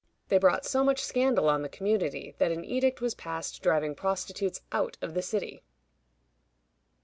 They brought so much scandal on the community that an edict was passed driving prostitutes out of the city.